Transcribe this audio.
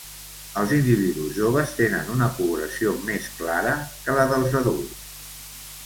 Els individus joves tenen una coloració més clara que la dels adults.